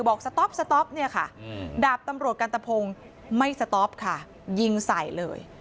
บอกเนี่ยค่ะดาบตำรวจกันตะโพงไม่ค่ะยิงใส่เลย